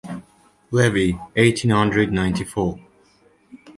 Lévy, eighteen hundred ninety-four.